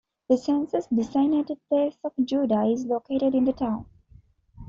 The census-designated place of Juda is located in the town.